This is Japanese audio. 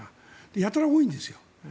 やたら多いんですよ。